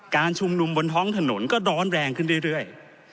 การชุมนุมบนท้องถนนก็ร้อนแรงขึ้นเรื่อย